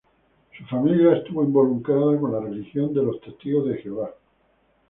Su familia estuvo involucrada con la religión de los Testigos de Jehová.